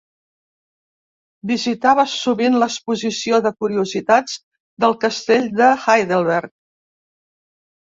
Visitava sovint l'exposició de curiositats del Castell de Heidelberg.